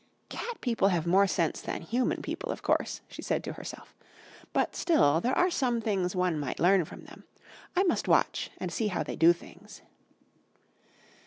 "'Cat people have more sense than human people, of course,' she said to herself; 'but still there are some things one might learn from them. I must watch and see how they do things.'